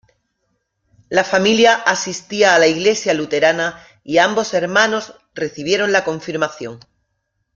La familia asistía a la iglesia luterana y ambos hermanos recibieron la confirmación.